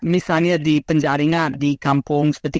misalnya di penjaringan di kampung seperti